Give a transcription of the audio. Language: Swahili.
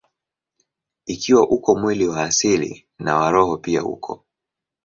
Ikiwa uko mwili wa asili, na wa roho pia uko.